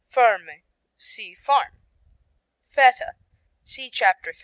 Ferme see Farm. Feta see Chapter 3.